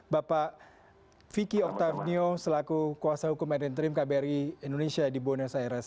bapak vicky octavio selaku kuasa hukum dan interim kbri indonesia di buenos aires